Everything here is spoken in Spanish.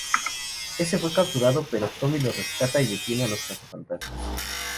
Este fue capturado; pero Tommy lo rescata y detiene a los caza-fantasmas.